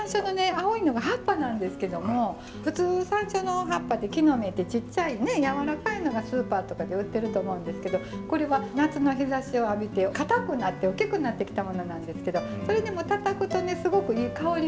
青いのが葉っぱなんですけども普通山椒の葉っぱって木の芽ってちっちゃいねやわらかいのがスーパーとかで売ってると思うんですけどこれは夏の日ざしを浴びてかたくなっておっきくなってきたものなんですけどそれでもたたくとねすごくいい香りがするんですよ。